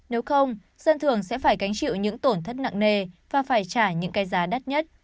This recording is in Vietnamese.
nếu không dân thường sẽ phải gánh chịu những tổn thất nặng nề và phải trả những cái giá đắt nhất